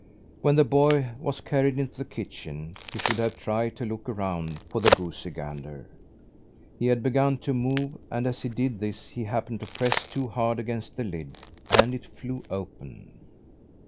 When the boy was carried into the kitchen, he should have tried to look around for the goosey gander. He had begun to move; and as he did this, he happened to press too hard against the lid and it flew open.